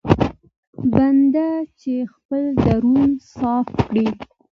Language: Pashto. بنده چې خپل درون صفا کړي.